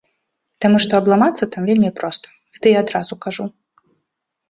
Таму што абламацца там вельмі проста, гэта я адразу кажу.